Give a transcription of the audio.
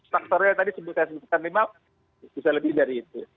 faktor yang tadi saya sebutkan lima bisa lebih dari itu